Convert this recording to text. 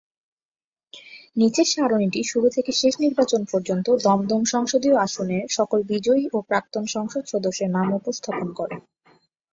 নিচের সারণীটি শুরু থেকে শেষ নির্বাচন পর্যন্ত দমদম সংসদীয় আসনের সকল বিজয়ী ও প্রাক্তন সংসদ সদস্যের নাম উপস্থাপন করে।